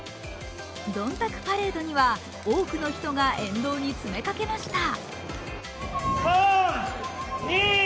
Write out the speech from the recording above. どんたくパレードには多くの人が沿道に詰めかけました。